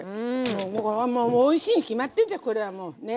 もうおいしいに決まってんじゃんこれはもうね。